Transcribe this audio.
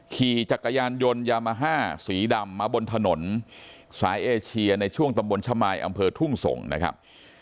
ขี่จักรยานยนต์ยามาฮ่าสีดำมาบนถนนสายเอเชียในช่วงตำบลชะมายอำเภอทุ่งส่งนะครับ